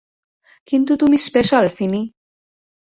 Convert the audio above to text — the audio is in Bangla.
কিন্তু তুমি স্পেশাল, ফিনি।